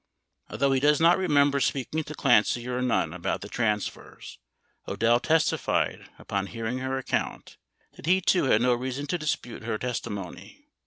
33 Although he does not remember speaking to Clancy or Nunn about the transfers, Odell testified, upon hearing her account, that he, too, had no reason to dispute her testimony.